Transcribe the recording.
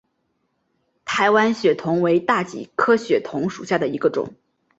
台湾血桐为大戟科血桐属下的一个种。